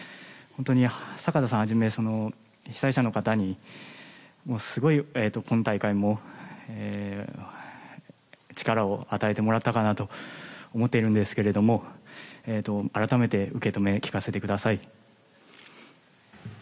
本当にサカタさんをはじめ被災者の方にすごく今大会も力を与えてもらったかなと思っているんですけども改めて受け止めを聞かせてください。